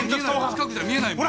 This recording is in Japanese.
近くじゃ見えないもん。